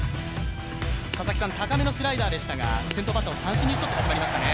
佐々木さん、高めのスライダーでしたが、先頭バッター三振にとりましたね。